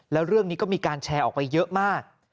แล้วเรื่องนี้ก็มีการแชร์ออกไปเยอะมาก